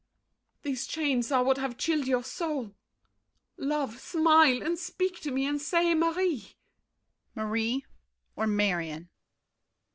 These chains are what have chilled your soul. Love, smile And speak to me, and say "Marie." DIDIER. "Marie" Or "Marion"?